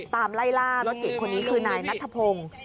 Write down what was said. ไล่ล่ารถเก่งคนนี้คือนายนัทธพงศ์